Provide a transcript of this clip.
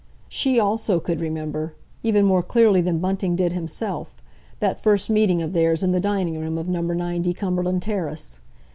.. She also could remember, even more clearly than Bunting did himself, that first meeting of theirs in the dining room of No. 90 Cumberland Terrace.